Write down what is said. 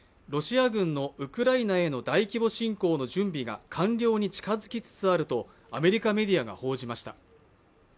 ロシア軍のウクライナへの大規模侵攻の準備が完了に近づきつつあるとアメリカメディアが報じました。